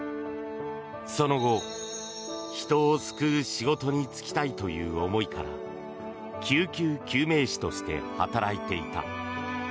その後、人を救う仕事に就きたいという思いから救急救命士として働いていた。